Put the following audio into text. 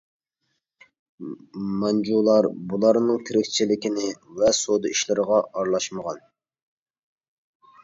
مانجۇلار بۇلارنىڭ تىرىكچىلىكىنى ۋە سودا ئىشلىرىغا ئارىلاشمىغان.